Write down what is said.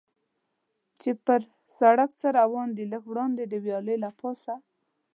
چې پر سړک څه روان دي، لږ وړاندې د ویالې له پاسه.